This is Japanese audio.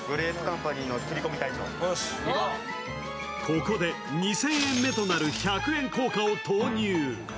ここで２０００円目となる百円硬貨を投入。